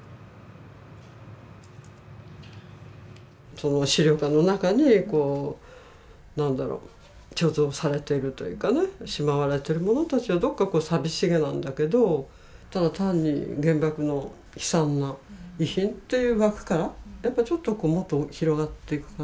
その資料館の中にこう何だろう貯蔵されているというかねしまわれているものたちはどっかこう寂しげなんだけどただ単に原爆の悲惨な遺品っていう枠からやっぱちょっとこうもっと広がっていく感じが